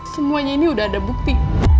semuanya ini sudah ada bukti